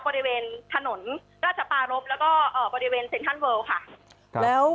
บริเวณถนนราชปารบแล้วก็อ่าบริเวณค่ะแล้ว